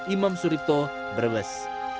imam suripto brebes